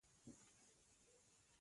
لاندې مه ګوره نور هم لوړ والوځه.